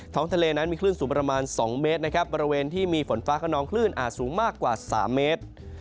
ทะเลนั้นมีคลื่นสูงประมาณ๒เมตรนะครับบริเวณที่มีฝนฟ้าขนองคลื่นอาจสูงมากกว่า๓เมตร